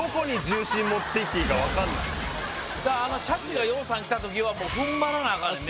シャチがぎょうさん来た時はもう踏ん張らなあかんね